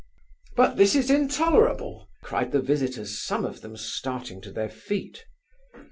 "But this is intolerable!" cried the visitors, some of them starting to their feet.